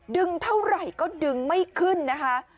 ดึงเท่าไหร่ก็ดึงไม่ขึ้นนะคะ